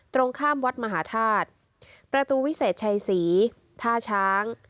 ตรงข้ามวัดมหาธาตุประตูวิเศษชัยศรีท่าช้าง